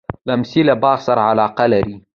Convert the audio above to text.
لمسی له باغ سره علاقه لري.